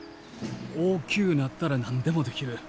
大きゅうなったら何でもできる。